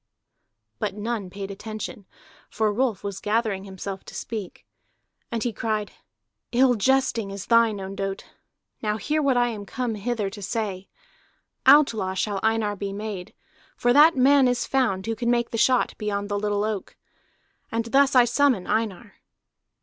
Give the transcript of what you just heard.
But none paid attention, for Rolf was gathering himself to speak. And he cried: "Ill jesting is thine, Ondott! Now hear what I am come hither to say: Outlaw shall Einar be made, for that man is found who can make the shot beyond the little oak. And thus I summon Einar."